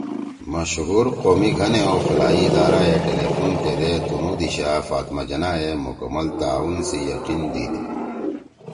مشہور قومی گھنے او فلاحی ادارہ ئے ٹیلی فون کیدے تنُو دیِشا فاطمہ جناح ئے مکمل تعاون سی یقین دیِد